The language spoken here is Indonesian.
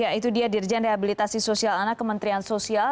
ya itu dia dirjen rehabilitasi sosial anak kementerian sosial